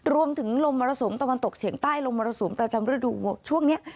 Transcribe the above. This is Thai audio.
รวมถึงลมมรสุมตะวันตกเฉียงใต้ลมมรสุมประจำฤดูช่วงนี้